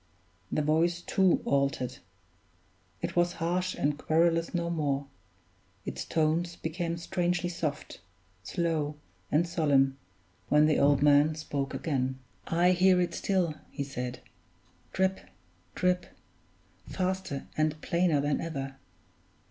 The voice, too, altered; it was harsh and querulous no more; its tones became strangely soft, slow, and solemn, when the old man spoke again. "I hear it still," he said, "drip! drip! faster and plainer than ever.